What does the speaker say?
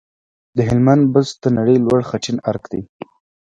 د هلمند بست د نړۍ لوی خټین ارک دی